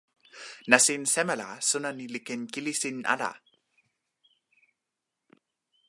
nasin seme la sona ni li ken kili sin ala?